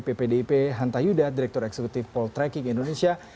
ppdip hanta yuda direktur eksekutif poltreking indonesia